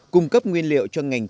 cung cấp nguyên liệu cho ngành cơ sở